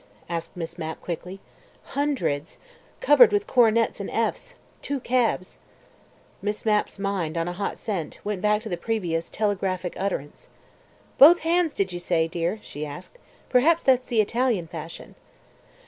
asked Miss Mapp quickly. "Hundreds. Covered with coronets and Fs. Two cabs." Miss Mapp's mind, on a hot scent, went back to the previous telegraphic utterance. "Both hands did you say, dear?" she asked. "Perhaps that's the Italian fashion."